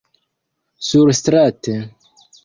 surstrate